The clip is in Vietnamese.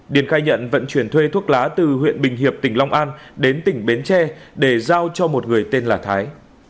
điền khai nhận vận chuyển thuê thuốc lá từ huyện bình hiệp tỉnh long an đến tỉnh bến tre để giao cho một người tên là thái